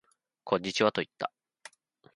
こんにちはと言った